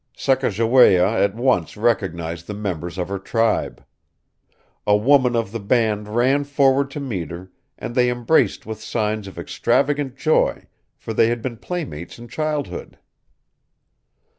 Sacajawea at once recognized the members of her tribe. A woman of the band ran forward to meet her, and they embraced with signs of extravagant joy, for they had been playmates in childhood.